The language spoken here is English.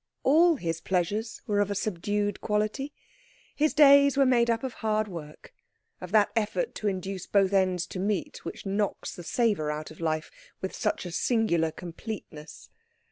All his pleasures were of a subdued quality. His days were made up of hard work, of that effort to induce both ends to meet which knocks the savour out of life with such a singular completeness.